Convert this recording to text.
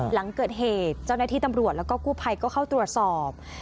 หลังเกิดเหตุเจ้าหน้าที่ตำรวจแล้วก็กู้ภัยก็เข้าตรวจสอบ